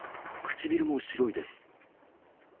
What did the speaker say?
唇も白いです。